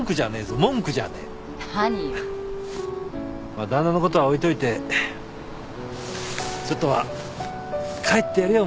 まあ旦那のことは置いといてちょっとは帰ってやれよ